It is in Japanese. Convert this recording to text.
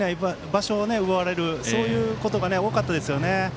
場所を奪われるということが多かったですよね。